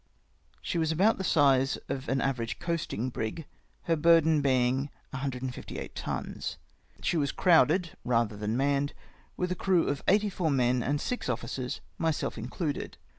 She was about the size of an average coasting brig, her burden being 158 tons. She was crowded, rather than manned, with a crew of eighty four men and six officers, myself in cluded.